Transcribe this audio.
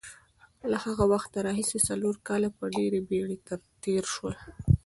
له هغه وخته راهیسې څلور کاله په ډېرې بېړې تېر شول.